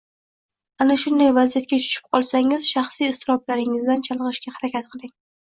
Ana shunday vaziyatga tushib qolsangiz shaxsiy iztiroblaringizdan chalg‘ishga harakat qiling